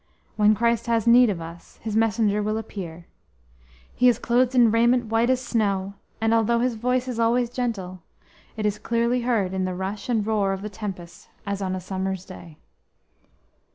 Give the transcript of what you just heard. When Christ has need of us, His messenger will appear; he is clothed in raiment white as snow, and although his voice is always gentle, it is clearly heard in the rush and roar of the tempest as on a summer's day."